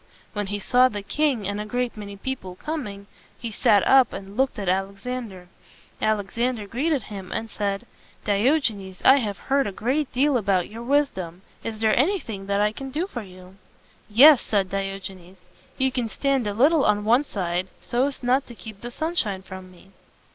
When he saw the king and a great many people coming, he sat up and looked at Alexander. Alexander greeted him and said, "Diogenes, I have heard a great deal about your wisdom. Is there anything that I can do for you?" "Yes," said Diogenes. "You can stand a little on one side, so as not to keep the sunshine from me."